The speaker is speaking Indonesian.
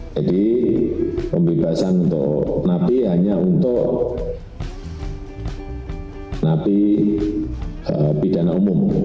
jadi pembebasan untuk nabi hanya untuk nabi bidana umum